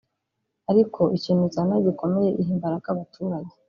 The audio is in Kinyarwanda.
ariko ikintu izana gikomeye iha imbaraga abaturage